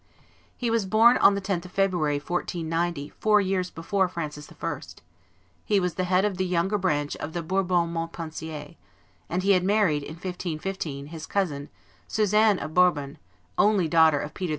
He was born on the 10th of February, 1490, four years before Francis I.; he was the head of the younger branch of the Bourbons Montpensier; and he had married, in 1515, his cousin, Suzanne of Bourbon, only daughter of Peter II.